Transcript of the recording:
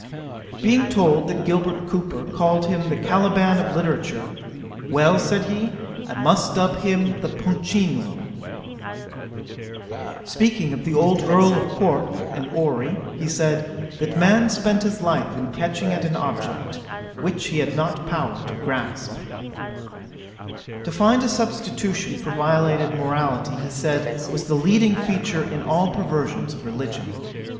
'Being told that Gilbert Cowper called him the Caliban of literature; "Well, (said he,) I must dub him the Punchinello." 'Speaking of the old Earl of Corke and Orrery, he said, "that man spent his life in catching at an object, [literary eminence,] which he had not power to grasp." 'To find a substitution for violated morality, he said, was the leading feature in all perversions of religion.'